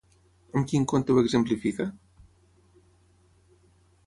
Amb quin conte ho exemplifica?